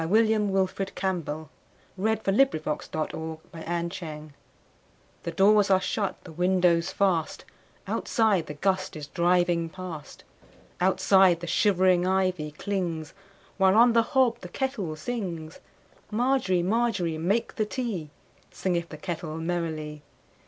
William Wilfred Campbell 1861–1918 A Canadian Folk Song CampbllWW THE DOORS are shut, the windows fast, Outside the gust is driving past, Outside the shivering ivy clings, While on the hob the kettle sings. Margery, Margery, make the tea, Singeth the kettle merrily.